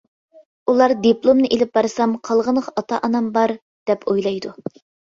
ئۇلار دىپلومنى ئىلىپ بارسام قالغىنىغا ئاتا-ئانام بار، دەپ ئويلايدۇ.